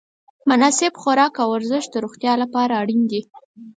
مناسب خوراک او ورزش د روغتیا لپاره اړین دي.